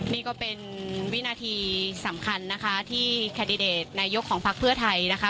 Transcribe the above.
นี่ก็เป็นวินาทีสำคัญนะคะที่นายกของภักดิ์เพื่อไทยนะคะ